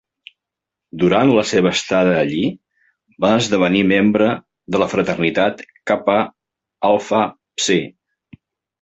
Durant la seva estada allí, va esdevenir membre de la fraternitat Kappa Alpha Psi.